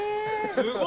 すごい。